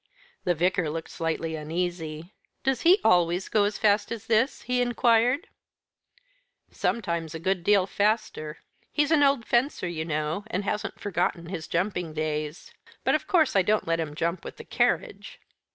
The Vicar looked slightly uneasy. "Does he always go as fast as this?" he inquired. "Sometimes a good deal faster. He's an old fencer, you know, and hasn't forgotten his jumping days. But of course I don't let him jump with the carriage."